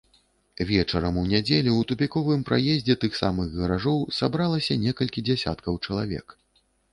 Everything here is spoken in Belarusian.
Вечарам у нядзелю ў тупіковым праездзе тых самых гаражоў сабралася некалькі дзесяткаў чалавек.